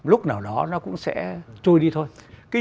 lúc nào đó nó cũng sẽ trôi đi thôi